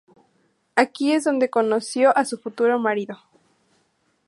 Aquí es donde conoció a su futuro marido.